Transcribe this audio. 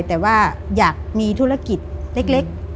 แต่ว่าอยากมีธุรกิจเล็ก